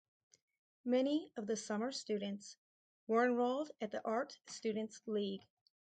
Many of the summer students were enrolled at the Art Students League.